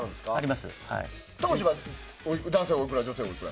当時は男性おいくら女性おいくら？